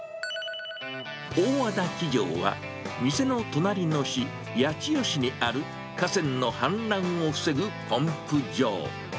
大和田機場は、店の隣の市、八千代市にある、河川の氾濫を防ぐポンプ場。